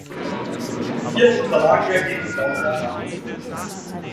Hier unterlag er gegen Claudia Ravensburg.